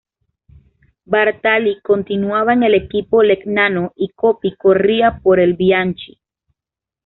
Bartali continuaba en el equipo Legnano y Coppi corría por el Bianchi.